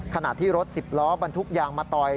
ขณะที่รถสิบล้อบันทุกอย่างมาต่อย